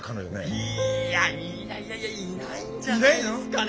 いやいやいやいやいないんじゃないすかね